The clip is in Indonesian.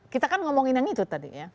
kita kan ngomongin yang itu tadi ya